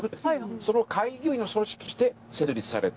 その開業医の組織として設立された。